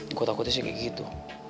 takut takutnya sih kayak gitu